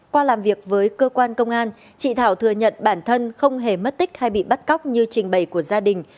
qua làm việc với cơ quan công an chị thảo thừa nhận bản thân không hề mất tích hay bị bắt cóc như trình bày của gia đình